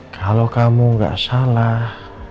kalau kamu enggak salah